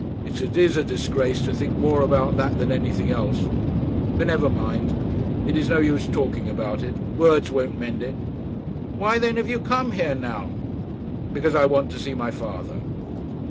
'It is a disgrace to think more about that than anything else. But never mind. It is no use talking about it, words won't mend it.' 'Why then have you come here now?' 'Because I want to see my father.'